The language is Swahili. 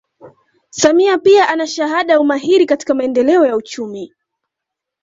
Samia pia ana shahada ya umahiri katika maendeleo ya uchumi